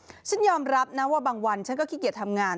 ฉันยอมรับนะว่าบางวันฉันก็ขี้เกียจทำงาน